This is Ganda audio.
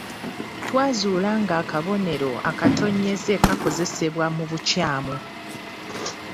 Twazuula ng'akabonero akatonnyeze kaakozesebwa mu bukyamu.